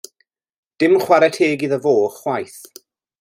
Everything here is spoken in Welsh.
Dim chwarae teg iddo fo chwaith.